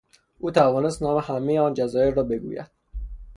او میتوانست نام همهی آن جزایر را بگوید.